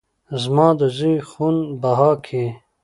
زما د زوى خون بها کې